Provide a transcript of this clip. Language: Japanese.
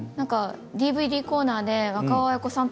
ＤＶＤコーナーで若尾文子さん